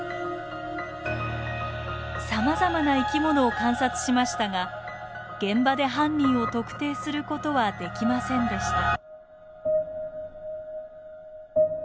さまざまな生きものを観察しましたが現場で犯人を特定することはできませんでした。